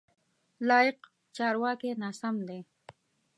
لایق: چارواکی ناسم دی.